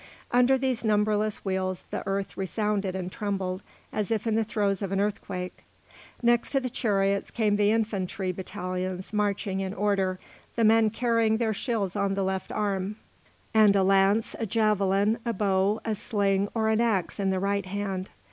Under these numberless wheels the earth resounded and trembled as if in the throes of an earthquake. Next to the chariots came the infantry battalions marching in order, the men carrying their shields on the left arm, and a lance, a javelin, a bow, a sling, or an axe in the right hand.